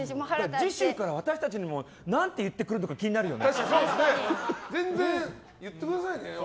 次週から私たちにも何て言ってくるのか気になるよね。